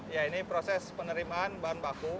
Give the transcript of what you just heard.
ya ini proses penerimaan bahan baku